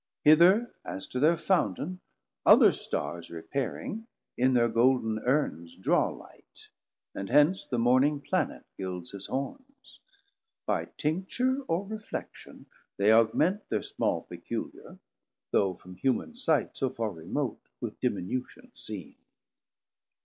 Hither as to thir Fountain other Starrs Repairing, in thir gold'n Urns draw Light, And hence the Morning Planet guilds his horns; By tincture or reflection they augment Thir small peculiar, though from human sight So farr remote, with diminution seen.